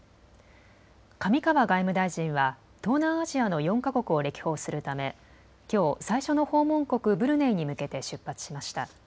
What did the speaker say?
上川外務大臣は東南アジアの４か国を歴訪するためきょう最初の訪問国、ブルネイに向けて出発しました。